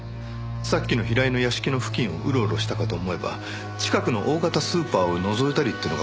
さっきの平井の屋敷の付近をうろうろしたかと思えば近くの大型スーパーをのぞいたりってのがこの調査。